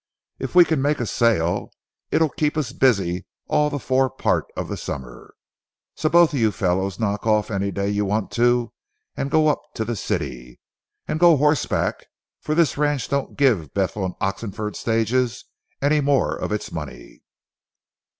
If we can make a sale, it'll keep us busy all the fore part of the summer. So both you fellows knock off any day you want to and go up to the city. And go horseback, for this ranch don't give Bethel & Oxenford's stages any more of its money."